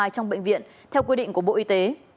trong bệnh viện theo quy định của bộ y tế